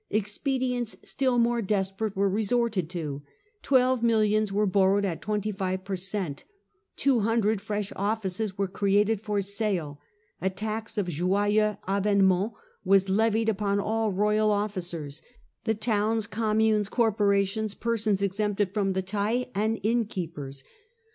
Expedients still more desperate were resorted to : twelve millions were borrowed at twenty five per cent ; two hundred fresh offices were created for sale ; a tax of joyeux avhtement was levied upon all royal officers, the towns, communes, corporations, persons ex empted from the tattle, and innkeepers.